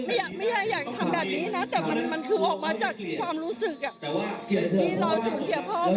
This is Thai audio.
ไม่อยากจะทำแบบนี้นะแต่มันคือออกมาจากความรู้สึกที่เราตั้งความเสี่ยงพ่อ